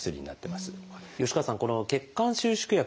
吉川さんこの血管収縮薬